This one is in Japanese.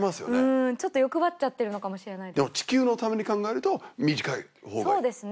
うんちょっと欲張っちゃってるのかもでも地球のために考えると短い方がいいそうですね